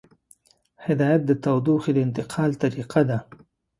هدایت د تودوخې د انتقال طریقه ده.